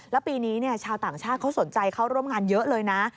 แล้วปีนี้ชาวต่างชาติเขาสนใจเข้าร่วมงานเยอะเลยนะ